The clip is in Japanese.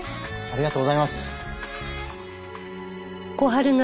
ありがとうございます。